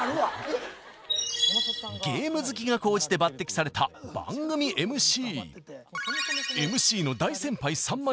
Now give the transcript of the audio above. ゲーム好きが高じて抜擢された番組ＭＣ。